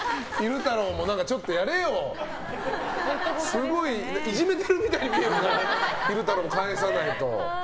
すごいいじめてるみたいに見えるから昼太郎も返さないと。